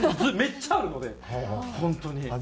めっちゃあるので本当に。